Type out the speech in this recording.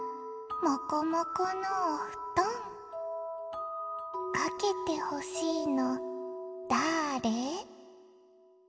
「もこもこのおふとん」「かけてほしいのだあれ？」